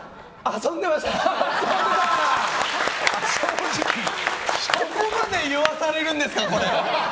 そこまで言わされるんですかこれ。